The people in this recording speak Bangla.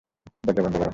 দরজা বন্ধ করো!